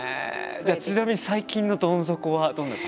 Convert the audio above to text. じゃあちなみに最近のどん底はどんな感じでした？